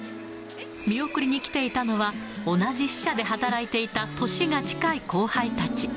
見送りに来ていたのは、同じ支社で働いていた年が近い後輩たち。